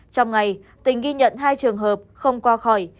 trong ngày tỉnh ghi nhận hai trường hợp không qua khỏi